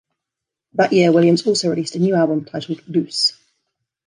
That year, Williams also released a new album, titled "Loose".